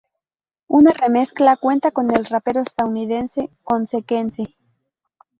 Una remezcla cuenta con el rapero estadounidense Consequence.